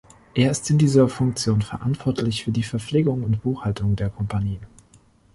Er ist in dieser Funktion verantwortlich für die Verpflegung und Buchhaltung der Kompanie.